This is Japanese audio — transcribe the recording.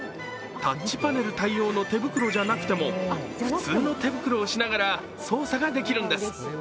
タッチパネル対応の手袋じゃなくても、普通の手袋をしながら操作ができるんです。